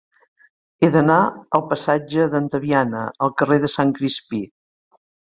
He d'anar de la passatge d'Antaviana al carrer de Sant Crispí.